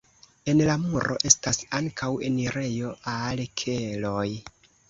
En la muro estas ankaŭ enirejo al keloj.